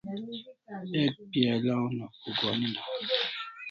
Ek piala una uk oni na